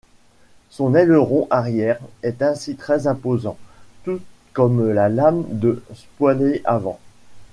Son aileron arrière est ainsi très imposant, tout comme la lame de spoiler avant.